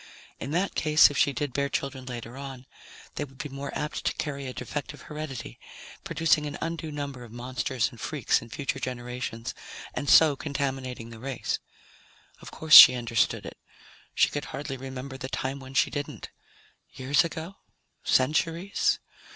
In that case, if she did bear children later on, they would be more apt to carry a defective heredity, producing an undue number of monsters and freaks in future generations, and so contaminating the race. Of course she understood it. She could hardly remember the time when she didn't. Years ago? Centuries?